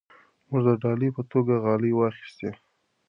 موږ د ډالۍ په توګه غالۍ واخیستې.